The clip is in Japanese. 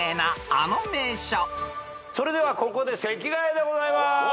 それではここで席替えでございます。